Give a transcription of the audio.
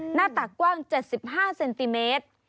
หน้าตากกว้าง๗๕เซนติเมตร